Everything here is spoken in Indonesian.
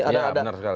ya benar sekali